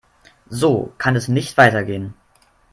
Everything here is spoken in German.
So kann es nicht weitergehen.